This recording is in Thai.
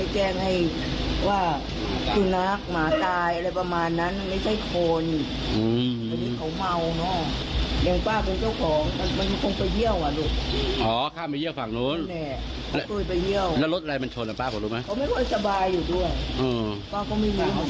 จงนั้นไม่ใช่คนเพราะว่าเขาเมาจริง